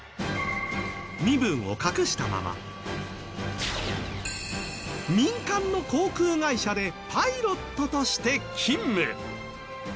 身分を隠したまま民間の航空会社でパイロットとして勤務。